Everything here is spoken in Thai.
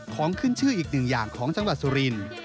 ของขึ้นชื่ออีกหนึ่งอย่างของจังหวัดสุรินทร์